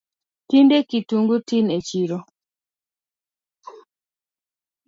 Tinde kitungu tin e chiro